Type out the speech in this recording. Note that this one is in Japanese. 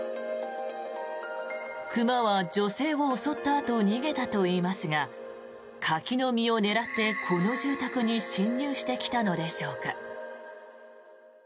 熊は女性を襲ったあと逃げたといいますが柿の実を狙って、この住宅に侵入してきたのでしょうか。